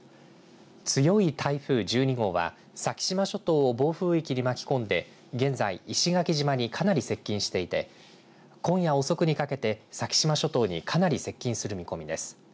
強い台風１２号は先島諸島を暴風域に巻き込んで現在、石垣島にかなり接近していて今夜遅くにかけて先島諸島にかなり接近する見込みです。